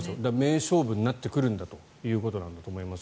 名勝負になってくるんだということだと思います。